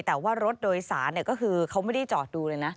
แต่ว่ารถโดยสารก็คือเขาไม่ได้จอดดูเลยนะ